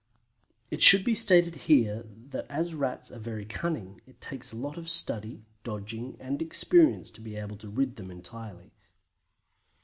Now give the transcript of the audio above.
It should be stated here that as Rats are very cunning, it takes a lot of study, dodging, and experience to be able to rid them entirely.